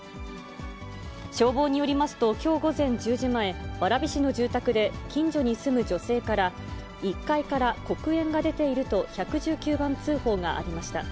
消防によりますと、きょう午前１０時前、蕨市の住宅で、近所に住む女性から、１階から黒煙が出ていると、１１９番通報がありました。